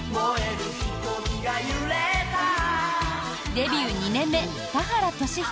デビュー２年目田原俊彦